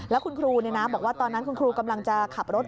แล้วคุณครูบอกว่าตอนนั้นคุณครูกำลังจะขับรถ